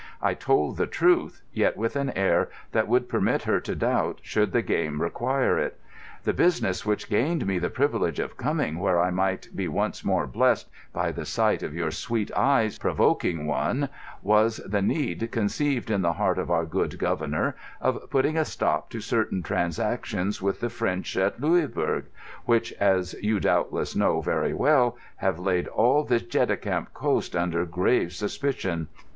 I told the truth, yet with an air that would permit her to doubt, should the game require it. "The business which gained me the privilege of coming where I might be once more blessed by the light of your sweet eyes, provoking one, was the need conceived in the heart of our good Governor of putting a stop to certain transactions with the French at Louisbourg, which, as you doubtless know very well, have laid all this Cheticamp coast under grave suspicion.